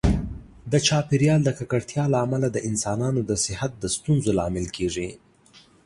د چاپیریال د ککړتیا له امله د انسانانو د صحت د ستونزو لامل کېږي.